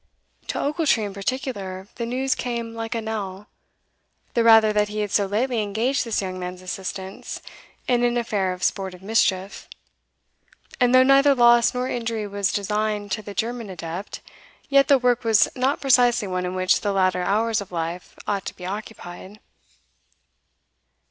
To Ochiltree, in particular, the news came like a knell, the rather that he had so lately engaged this young man's assistance in an affair of sportive mischief; and though neither loss nor injury was designed to the German adept, yet the work was not precisely one in which the latter hours of life ought to be occupied.